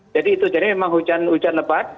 jadi itu jadi memang hujan lebat